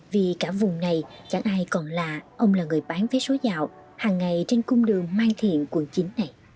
vì cả vùng này chẳng ai còn lạ ông là người bán vé số dạo hàng ngày trên cung đường mai thiện quận chín này